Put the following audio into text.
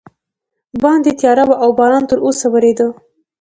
باندې تیاره وه او باران تراوسه ورېده.